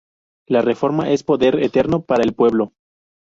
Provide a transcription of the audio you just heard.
La reforma es poder eterno para el pueblo".